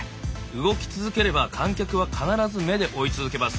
動き続ければ観客は必ず目で追い続けます。